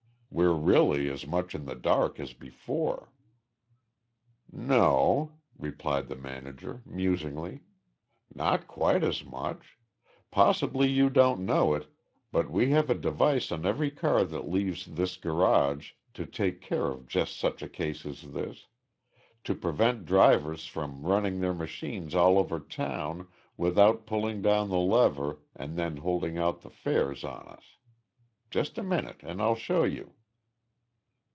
We're really as much in the dark as before." "No," replied the manager, musingly. "Not quite as much. Possibly you don't know it, but we have a device on every car that leaves this garage to take care of just such cases as this to prevent drivers from running their machines all over town without pulling down the lever and then holding out the fares on us. Just a minute and I'll show you.